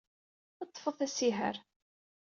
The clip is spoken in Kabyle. Ḍḍfet asihaṛ.